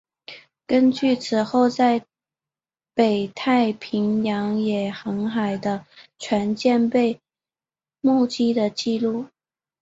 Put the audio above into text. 根据此后在北太平洋也航海的船舰被目击的记录。